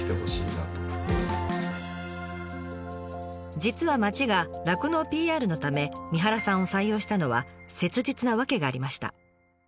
実は町が酪農ＰＲのため三原さんを採用したのは切実な訳がありました。